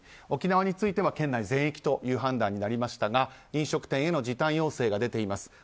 沖縄については県内全域という判断になりましたが飲食店への時短要請が出ています。